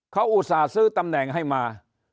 เขาอุตส่าห์ซื้อตำแหน่งให้มา